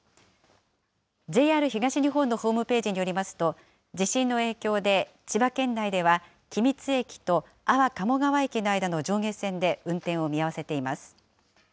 ＪＲ東日本のホームページによりますと、地震の影響で千葉県内では君津駅と安房鴨川駅の間の上下線で運転を見合わせています。